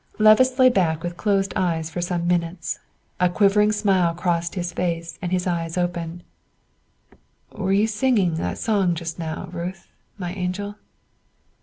Levice lay back with closed eyes for some minutes. A quivering smile crossed his face and his eyes opened. "Were you singing that song just now, Ruth, my angel?"